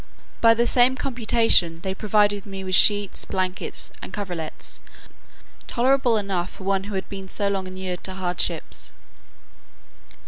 By the same computation, they provided me with sheets, blankets, and coverlets, tolerable enough for one who had been so long inured to hardships.